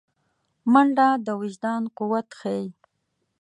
منډه د وجدان قوت ښيي